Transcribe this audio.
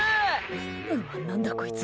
うわ、何だこいつ。